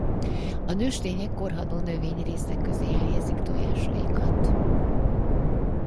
A nőstények korhadó növényi részek közé helyezik tojásaikat.